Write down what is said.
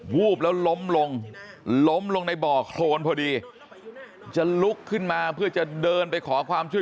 วูบแล้วล้มลงล้มลงในบ่อโครนพอดีจะลุกขึ้นมาเพื่อจะเดินไปขอความช่วย